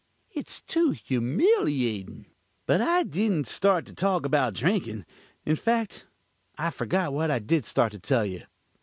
It's too humiliatin'. But I dident start to talk about drinkin'. In fact, I've forgot what I did start to tell you.